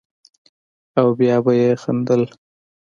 او بيا به يې خندل.